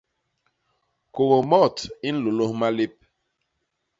Kôkmot i nlôlôs malép.